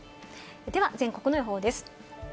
では全国の予報です。